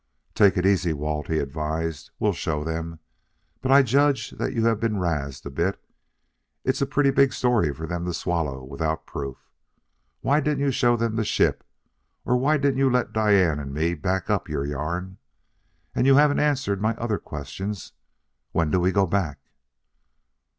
"Take it easy, Walt," he advised. "We'll show them. But I judge that you have been razzed a bit. It's a pretty big story for them to swallow without proof. Why didn't you show them the ship? Or why didn't you let Diane and me back up your yarn? And you haven't answered my other questions: when do we go back?"